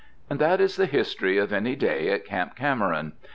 And that is the history of any day at Camp Cameron.